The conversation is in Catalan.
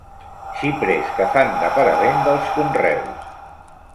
Xiprers que fan de paravent dels conreus.